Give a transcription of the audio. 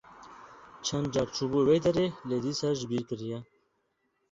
Çend car çûbû wê derê, lê dîsa ji bîr kiriye.